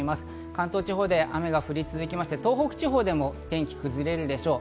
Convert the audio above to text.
関東地方で雨が降り続きまして、東北地方でも天気が崩れるでしょう。